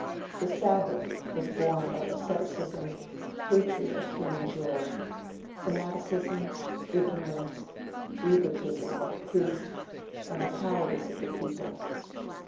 The "sabbath" was born of asceticism, hatred of human joy, fanaticism, ignorance, egotism of priests and the cowardice of the people.